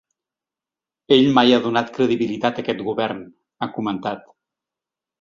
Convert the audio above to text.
Ell mai ha donat credibilitat a aquest govern, ha comentat.